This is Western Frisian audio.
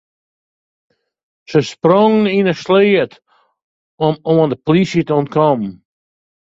Se sprongen yn in sleat om oan de polysje te ûntkommen.